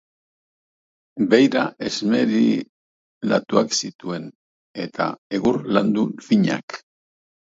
Beira esmerilatuak zituen, eta egur landu finak.